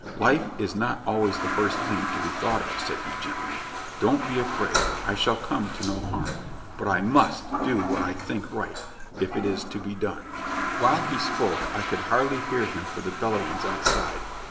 "Life is not always the first thing to be thought of," said he, gently. "Don't be afraid I shall come to no harm. But I MUST do what I think right, if it is to be done." While he spoke, I could hardly hear him for the bellowings outside.